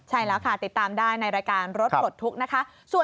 ใช่แล้วค่ะติดตามได้ในรายการรถปลดทุกข์นะคะ